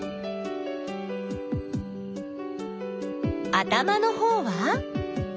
頭のほうは？